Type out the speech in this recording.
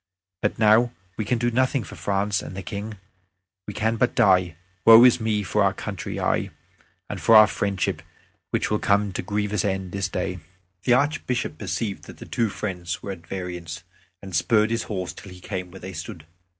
But now we can do nothing for France and the King. We can but die. Woe is me for our country, aye, and for our friendship, which will come to a grievous end this day." The Archbishop perceived that the two friends were at variance, and spurred his horse till he came where they stood.